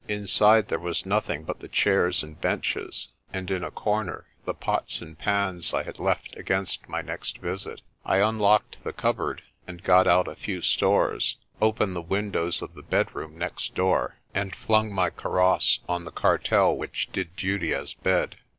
Inside there was nothing but the chairs and benches, and in a corner the pots and pans I had left against my next visit. I unlocked the cupboard and got 112 PRESTER JOHN out a few stores, opened the windows of the bedroom next door, and flung my kaross on the cartel which did duty as bed.